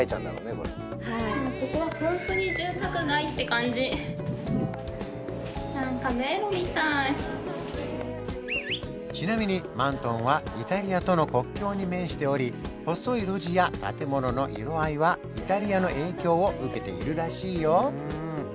これちなみにマントンはイタリアとの国境に面しており細い路地や建物の色合いはイタリアの影響を受けているらしいよ